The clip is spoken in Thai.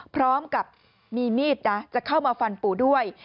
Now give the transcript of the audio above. พร้อมกับมีมีดนะจะเข้ามาฟันปู่ด้วย